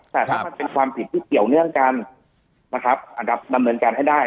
แต่ถ้ามันเป็นความผิดที่เกี่ยวเนื่องกันนะครับดำเนินการให้ได้